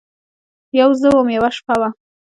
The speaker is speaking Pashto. یوه زه وم ، یوه شپه وه